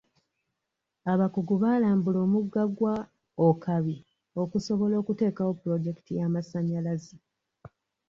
Abakugu baalambula omugga gwa Okabi okusobola okuteekawo pulojekiti y'amasanyalaze.